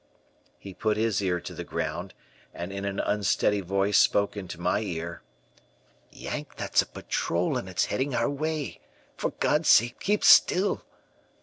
He put his ear to the ground and in an unsteady voice spoke into my ear: "Yank, that's a patrol and it's heading our way. For God's sake keep still."